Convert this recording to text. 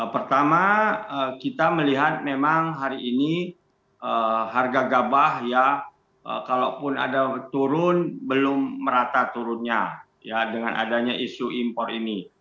pertama kita melihat memang hari ini harga gabah ya kalaupun ada turun belum merata turunnya ya dengan adanya isu impor ini